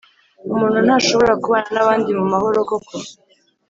Umuntu ntashobora kubana n’abandi mu mahoro koko